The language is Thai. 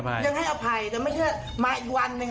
แปลงจิกแปลงจิกแปลงจิก